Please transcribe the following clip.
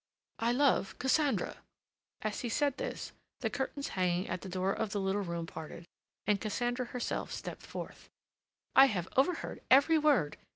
"I love Cassandra." As he said this, the curtains hanging at the door of the little room parted, and Cassandra herself stepped forth. "I have overheard every word!"